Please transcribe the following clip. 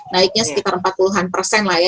naiknya sekitar empat puluh an persen lah ya